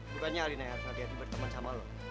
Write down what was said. bukannya alina yang harus hadirin berteman sama lo